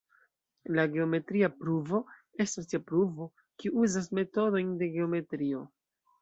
La geometria pruvo estas tia pruvo, kiu uzas metodojn de geometrio.